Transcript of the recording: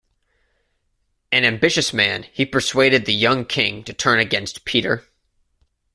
An ambitious man, he persuaded the young king to turn against Peter.